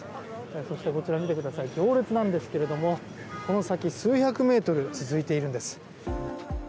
そして、こちら見てください行列なんですけれどこの先数百メートル続いているんです。